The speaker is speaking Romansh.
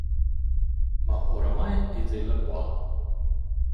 «Ma oramai es ella qua.